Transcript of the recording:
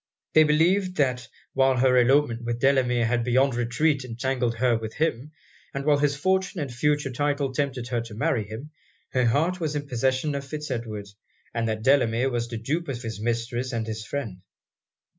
They believed, that while her elopement with Delamere had beyond retreat entangled her with him, and while his fortune and future title tempted her to marry him, her heart was in possession of Fitz Edward; and that Delamere was the dupe of his mistress and his friend.